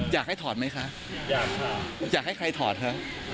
อยากให้ถอดไหมคะอยากให้ใครถอดค่ะ